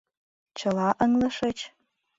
Чыла ыҥлышыч?